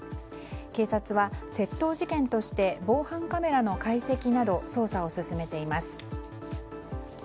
警察は窃盗事件として防犯カメラの解析など捜査を進めています。